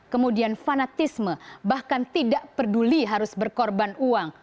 kemudian fanatisme bahkan tidak peduli harus berkorban uang